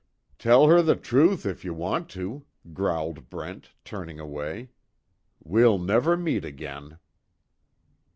"Tell her the truth if you want to," growled Brent, turning away, "We'll never meet again."